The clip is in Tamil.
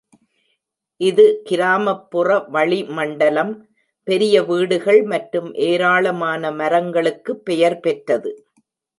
இது கிராமப்புற வளிமண்டலம், பெரிய வீடுகள் மற்றும் ஏராளமான மரங்களுக்கு பெயர் பெற்றது.